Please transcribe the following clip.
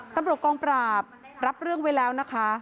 ตำรวจกองปราบรับเรื่องไว้แล้วนะคะ